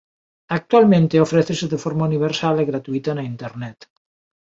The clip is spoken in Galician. Actualmente ofrécese de forma universal e gratuíta na internet.